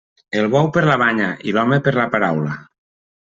El bou per la banya i l'home per la paraula.